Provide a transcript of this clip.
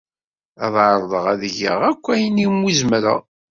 Ad ɛerḍeɣ ad geɣ akk ayen umi zemreɣ.